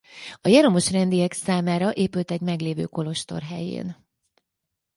A Jeromos-rendiek számára épült egy meglévő kolostor helyén.